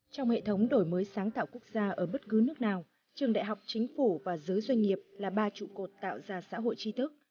trong hệ thống đổi mới sáng tạo quốc gia ở bất cứ nước nào trường đại học chính phủ và giới doanh nghiệp là ba trụ cột tạo ra xã hội tri thức